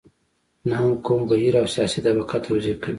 نه هم کوم بهیر او سیاسي طبقه توضیح کوي.